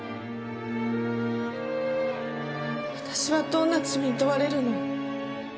私はどんな罪に問われるの？